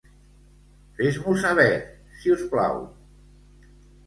Fes-m'ho saber, si us plau.